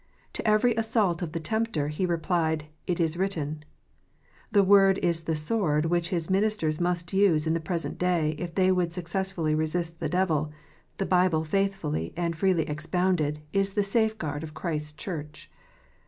To every assault of the Tempter, He replied, " It is written." The Word is the sword which His ministers must use in the present day, if they would success fully resist the devil. The Bible, faithfully and freely expounded, is the safe guard of Christ s Church.